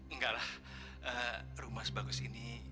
enggak rumah sebagus ini